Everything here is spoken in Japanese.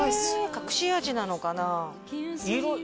隠し味なのかな？